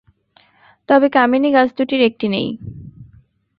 তবে কামিনী গাছ দুটির একটি নেই।